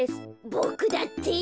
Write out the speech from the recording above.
ボクだって！